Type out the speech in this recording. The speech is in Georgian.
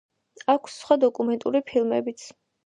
აქვს სხვა დოკუმენტური ფილმებიც.